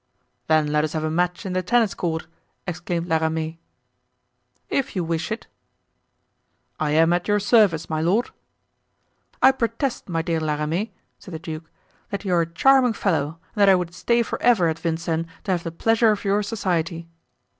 "Then let us have a match in the tennis court," exclaimed La Ramee. "If you wish it." "I am at your service, my lord." "I protest, my dear La Ramee," said the duke, "that you are a charming fellow and that I would stay forever at Vincennes to have the pleasure of your society."